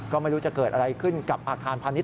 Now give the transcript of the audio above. ก็ไม่รู้จะเกิดอะไรขึ้นกับอาคารพันธุ์นี้